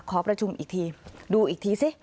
ขอประชุมอีกทีดูอีกทีสิ